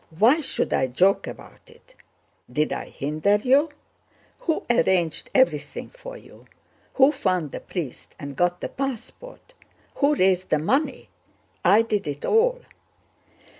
Why should I joke about it? Did I hinder you? Who arranged everything for you? Who found the priest and got the passport? Who raised the money? I did it all."